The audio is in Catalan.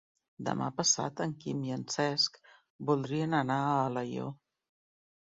Demà passat en Quim i en Cesc voldrien anar a Alaior.